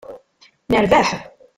Nerbaḥ!